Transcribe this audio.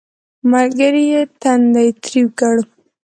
ملګري یې تندی ترېو کړ